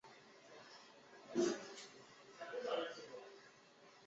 滇越省藤为省藤属泽生藤的一个变种或只是异名。